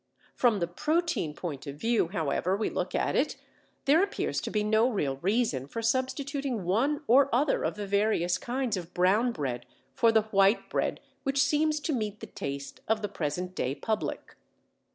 From the protein point of view, however we look at it, there appears to be no real reason for substituting one or other of the various kinds of brown bread for the white bread which seems to meet the taste of the present day public.